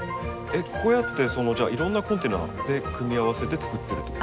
こうやってじゃあいろんなコンテナで組み合わせてつくってるってことですね。